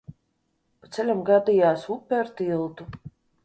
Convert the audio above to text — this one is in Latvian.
Pa ceļam gadījās upe ar tiltu.